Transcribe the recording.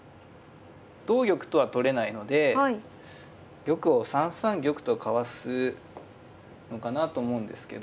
同玉とは取れないので玉を３三玉とかわすのかなと思うんですけど。